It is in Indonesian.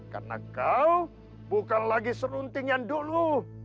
karena kau bukan lagi curunting yang dulu